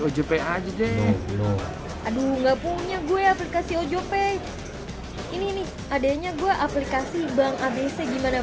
ojpa aja deh aduh nggak punya gue aplikasi ojp ini nih adanya gue aplikasi bank abc gimana